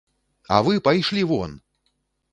А вы пайшлі вон!